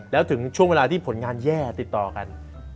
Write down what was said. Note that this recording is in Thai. แล้วถึงช่วงเวลาที่ผลงานแย่ติดต่อกัน